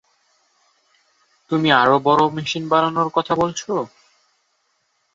তুমি আরও বড়ো মেশিন বানানোর কথা বলছো।